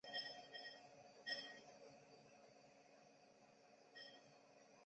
薄瓣节节菜为千屈菜科节节菜属下的一个种。